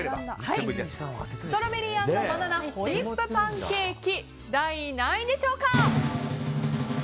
ストロベリー＆バナナホイップパンケーキ第何位でしょうか。